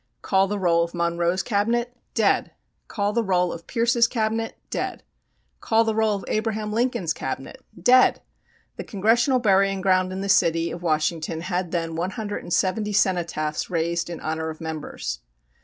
Call the roll of Monroe's Cabinet? Dead! Call the roll of Pierce's Cabinet? Dead! Call the roll of Abraham Lincoln's Cabinet? Dead! The Congressional burying ground in the city of Washington had then 170 cenotaphs raised in honour of members.